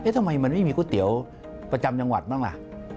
ทำไมมันไม่มีก๋วยเตี๋ยวประจำจังหวัดบ้างล่ะ